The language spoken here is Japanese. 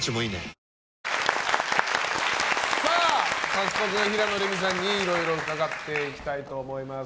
早速、平野レミさんにいろいろうかがっていきたいと思います。